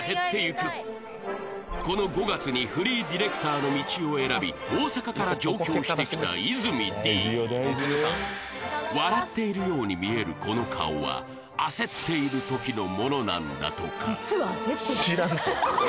この５月にフリーディレクターの道を選び大阪から上京してきた泉Ｄ笑っているように見えるこの顔は焦っている時のものなんだとか「実は焦っている」